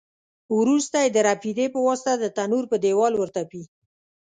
وروسته یې د رپېدې په واسطه د تنور په دېوال ورتپي.